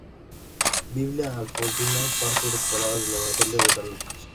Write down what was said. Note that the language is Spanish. Biblia Alfonsina, partes recuperadas del Evangelio de San Lucas.